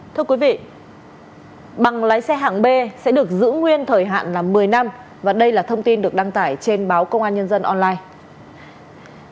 thưa quý vị bằng lái xe hạng b sẽ được giữ nguyên thời hạn là một mươi năm và đây là thông tin được đăng tải trên báo công an nhân dân online